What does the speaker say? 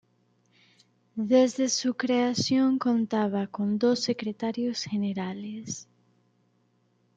Desde su creación contaba con dos secretarios generales.